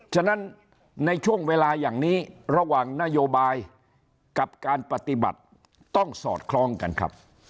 ฉะนั้นในช่วงเวลาอย่างนี้ระหว่างนโยบายกับการปฏิบัติต้องสอดคล้องกันครับ